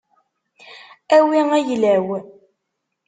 Awi ayla-w.